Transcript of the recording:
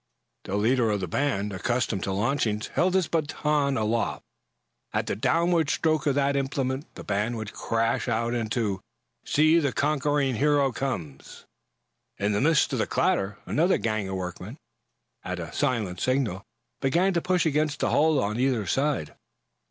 The leader of the band, accustomed to launchings, held his baton aloft. At the downward stroke of that implement the band would crash out into "See, the Conquering Hero Comes!" In the midst of the clatter another gang of workmen, at a silent signal, began to push against the hull on either side.